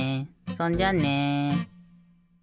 そんじゃあね。